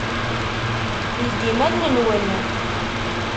Ldim allen-nwen.